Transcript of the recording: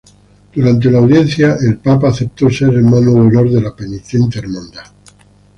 Durante la audiencia el Papa aceptó ser hermano de Honor de la Penitente Hermandad.